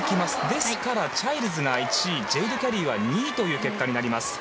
ですからチャイルズが１位ジェイド・キャリーは２位という結果になります。